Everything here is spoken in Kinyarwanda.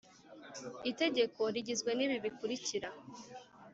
Itegeko rigizwe n’ibi bikurikira